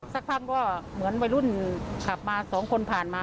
สักพักก็เหมือนวัยรุ่นขับมาสองคนผ่านมา